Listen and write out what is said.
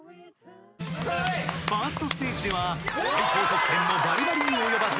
［ファーストステージでは最高得点のバリバリに及ばす］